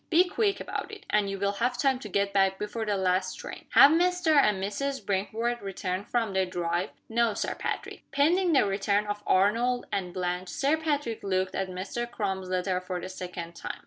Be quick about it and you will have time to get back before the last train. Have Mr. and Mrs. Brinkworth returned from their drive?" "No, Sir Patrick." Pending the return of Arnold and Blanche, Sir Patrick looked at Mr. Crum's letter for the second time.